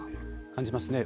感じますね。